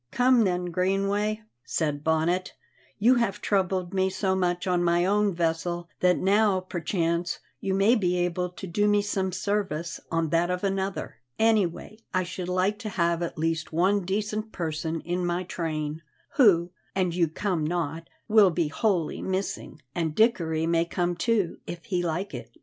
"Come, then, Greenway," said Bonnet; "you have troubled me so much on my own vessel that now, perchance, you may be able to do me some service on that of another. Anyway, I should like to have at least one decent person in my train, who, an you come not, will be wholly missing. And Dickory may come too, if he like it."